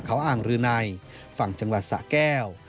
เขาอ่างรืนัยฝั่งจังหวัดสะแก้ว